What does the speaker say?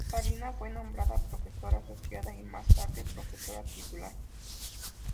Zarina fue nombrada profesora asociada y más tarde, profesora titular.